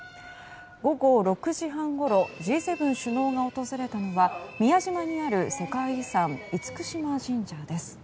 午後６時半ごろＧ７首脳が訪れたのは宮島にある世界遺産・厳島神社です。